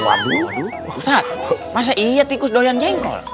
ustadz masa iya tikus doyan jengkol